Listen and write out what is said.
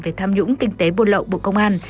về tham nhũng kinh tế buôn lậu bộ công an